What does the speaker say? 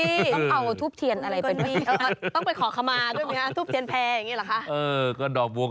ต้องเอาทูปเทียนอะไรไปด้วย